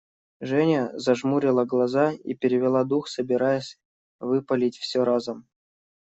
Женя зажмурила глаза и перевела дух, собираясь выпалить все разом.